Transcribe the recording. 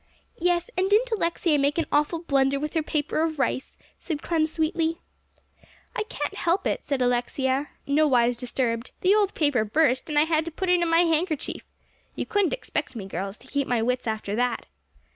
"Yes, and didn't Alexia make an awful blunder with her paper of rice!" said Clem sweetly. "I can't help it," said Alexia, nowise disturbed; "the old paper burst, and I had to put it in my handkerchief. You couldn't expect me, girls, to keep my wits after that."